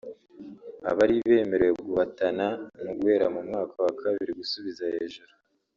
abari bemerewe guhatana ni uguhera mu mwaka wa kabiri gusubiza hejuru